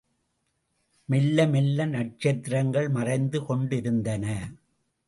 மெல்ல மெல்ல நட்சத்திரங்கள் மறைந்து கொண்டிருந்தன.